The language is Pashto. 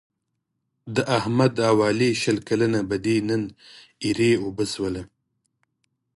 د احمد او علي شل کلنه بدي نن ایرې اوبه شوله.